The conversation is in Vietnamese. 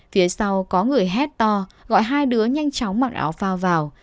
phía sau có người hét to gọi hai đứa nhanh chóng mặc áo phao vào